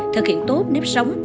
thực hiện tốt nếp sống